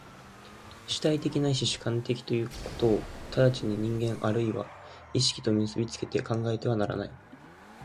主体的ないし主観的ということを直ちに人間或いは意識と結び付けて考えてはならない。